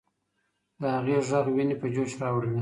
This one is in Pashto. د هغې ږغ ويني په جوش راوړلې.